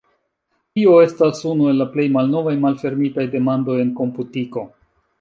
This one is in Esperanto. Tio estas unu el la plej malnovaj malfermitaj demandoj en komputiko.